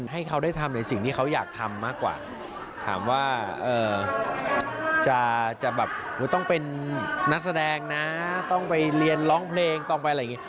ให้เขาได้ทำในสิ่งที่เขาอยากทำมากกว่าถามว่าจะแบบต้องเป็นนักแสดงนะต้องไปเรียนร้องเพลงต้องไปอะไรอย่างนี้